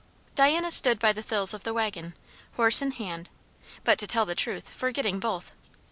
Diana stood by the thills of the waggon, horse in hand, but, to tell the truth, forgetting both.